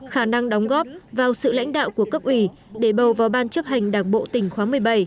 khả năng đóng góp vào sự lãnh đạo của cấp ủy để bầu vào ban chấp hành đảng bộ tỉnh khóa một mươi bảy